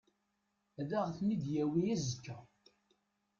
Ad aɣ-ten-id-yawi azekka.